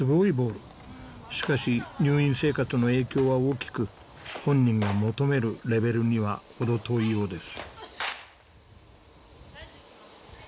しかし入院生活の影響は大きく本人が求めるレベルには程遠いようです。